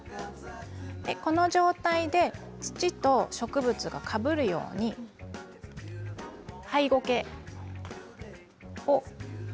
この状態で土と植物がかぶるようにハイゴケを